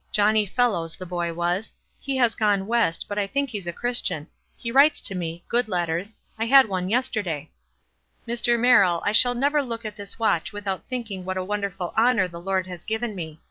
Johnny Fellows, the boy was — he has gone West, but I think he's a Christian ; he writes to me — good letters: — I had one yesterday. Mr. Merrill, I shall never look at this watch without thinking what a wonderful honor the Lord has given me.